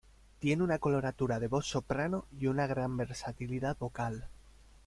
Tiene una coloratura de voz soprano, y una gran versatilidad vocal.